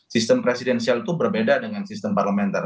sistem presidensial itu berbeda dengan sistem parlementer